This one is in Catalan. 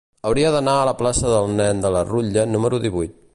Hauria d'anar a la plaça del Nen de la Rutlla número divuit.